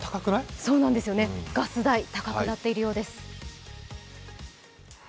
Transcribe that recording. そうなんですよね、ガス代、高くなっているようです。